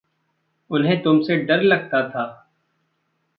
उन्हें तुमसे डर लगता था।